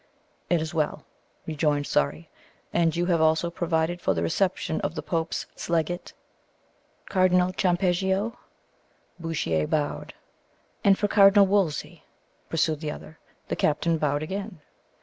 "It is well," rejoined Surrey. "And you have also provided for the reception of the Pope's legate, Cardinal Campeggio?" Bouchier bowed. "And for Cardinal Wolsey?" pursued the other. The captain bowed again.